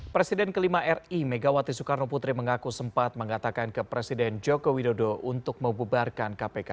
presiden kelima ri megawati soekarno putri mengaku sempat mengatakan ke presiden joko widodo untuk membubarkan kpk